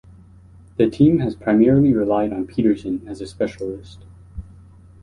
The team has primarily relied on Peterson as a specialist.